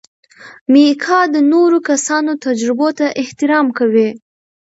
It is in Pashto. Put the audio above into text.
میکا د نورو کسانو تجربو ته احترام کوي.